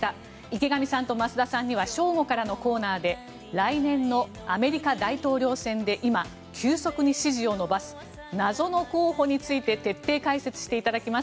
池上さんと増田さんには正午からのコーナーで来年のアメリカ大統領選で今、急速に支持を伸ばす謎の候補について徹底解説していただきます。